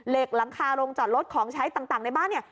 หลังคาโรงจอดรถของใช้ต่างในบ้านเนี่ย